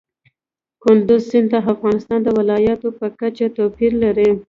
کندز سیند د افغانستان د ولایاتو په کچه توپیر لري.